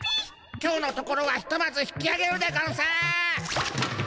今日のところはひとまず引きあげるでゴンス！